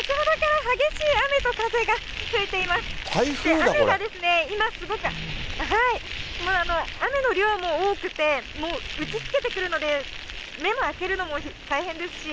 雨が今すごく、雨の量も多くて、打ちつけてくるので、目も開けるのも大変ですし。